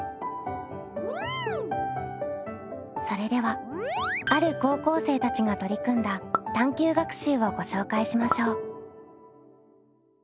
それではある高校生たちが取り組んだ探究学習をご紹介しましょう。